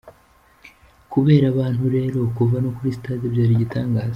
Kubera abantu rero kuva no kuri Stade byari igitangaza.